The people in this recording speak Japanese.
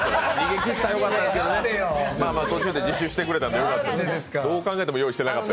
途中で自首してくれたんでよかった。